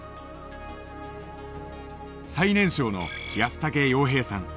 最年少の安竹洋平さん。